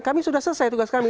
kami sudah selesai tugas kami